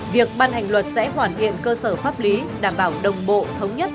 việc ban hành luật sẽ hoàn thiện cơ sở pháp lý đảm bảo đồng bộ thống nhất